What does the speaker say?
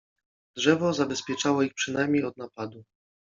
Drzewo zabezpieczało ich przynajmniej od napadu.